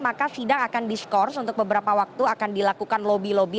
maka sidang akan diskors untuk beberapa waktu akan dilakukan lobby lobby